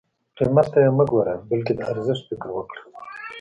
قیمت ته یې مه ګوره بلکې د ارزښت فکر وکړه.